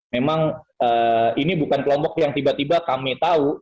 memang ini bukan kelompok yang tiba tiba kami tahu